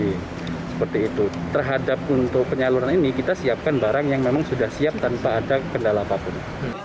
jadi terhadap untuk penyaluran ini kita siapkan barang yang memang sudah siap tanpa ada kendala apapun